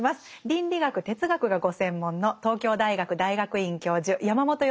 倫理学哲学がご専門の東京大学大学院教授山本芳久さんです。